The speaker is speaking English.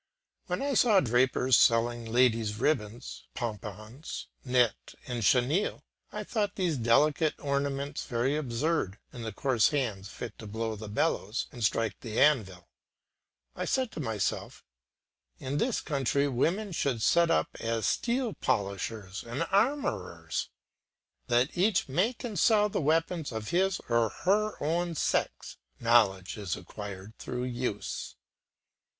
When I saw drapers selling ladies ribbons, pompons, net, and chenille, I thought these delicate ornaments very absurd in the coarse hands fit to blow the bellows and strike the anvil. I said to myself, "In this country women should set up as steel polishers and armourers." Let each make and sell the weapons of his or her own sex; knowledge is acquired through use.